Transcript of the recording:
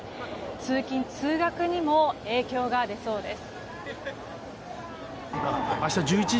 通勤・通学にも影響が出そうです。